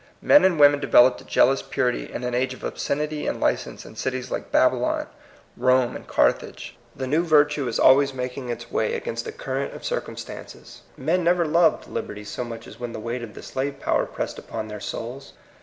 Men and women developed a jealous purity in an age of obscenity and license in cities like Babylon, Rome, and Carthage. The new virtue is always making its way against the current PROBLEM OF THE PB08PER0U8. Ill of circumstances. Men never loved liberty so much as when the weight of the slave power pressed upon their souls.